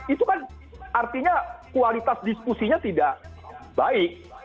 itu kan artinya kualitas diskusinya tidak baik